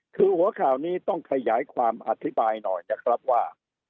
คือหัวข่าวนี้ต้องขยายความอธิบายหน่อยนะครับว่า